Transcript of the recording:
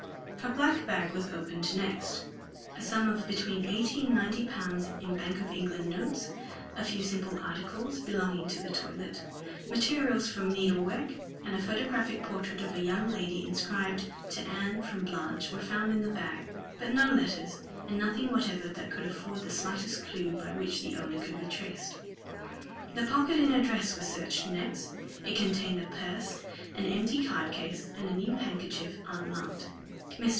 Her black bag was opened next. A sum of between eighty and ninety pounds in Bank of England notes; a few simple articles belonging to the toilet; materials for needle work; and a photographic portrait of a young lady, inscribed, "To Anne, from Blanche," were found in the bag but no letters, and nothing whatever that could afford the slightest clew by which the owner could be traced. The pocket in her dress was searched next. It contained a purse, an empty card case, and a new handkerchief unmarked. Mr.